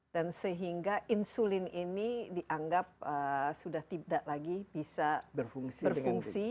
dan sehingga insulin ini dianggap sudah tidak lagi bisa berfungsi